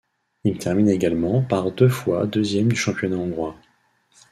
Il termine également par deux fois deuxième du championnat hongrois.